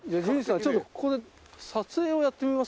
ちょっとここで撮影をやってみます？